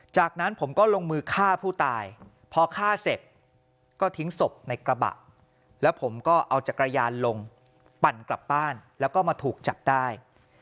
จากนั้นผมก็ลงมือฆ่าผู้ตายพอฆ่าเสร็จก็ทิ้งศพในกระบะแล้วผมก็เอาจักรยานลงปั่นกลับบ้านแล้วก็มาถูกจับได้